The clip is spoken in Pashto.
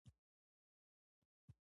د مدینې منورې پر لور روان شوو.